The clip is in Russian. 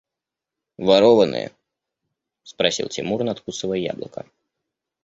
– Ворованные? – спросил Тимур, надкусывая яблоко.